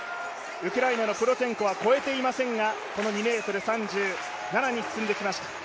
ウクライナのプロツェンコは越えていませんが、この２ｍ３７に進んできました。